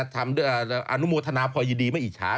ทำอนุโมทนาพอยดีไม่อิชา